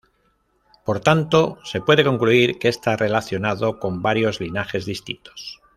Por tanto, se puede concluir que está relacionado con varios linajes distintos.